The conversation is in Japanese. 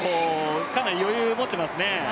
かなり余裕持っていますね。